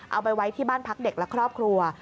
เอาไปไว้ที่บ้านพักเด็กและครอบครัว